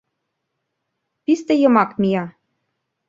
Писте йымак мия.